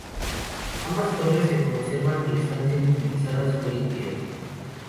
Ambas torres se conservan y están siendo utilizadas hoy en día.